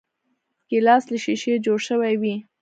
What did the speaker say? ګیلاس له شیشې جوړ شوی وي.